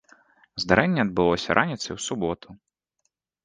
Здарэнне адбылося раніцай у суботу.